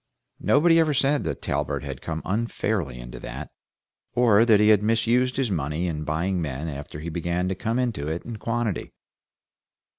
Nobody ever said that Talbert had come unfairly into that, or that he had misused his money in buying men after he began to come into it in quantity.